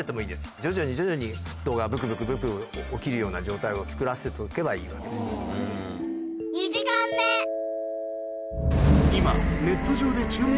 徐々に徐々に沸騰がぶつぶつ起きるような状態を作らせておけばい２時間目。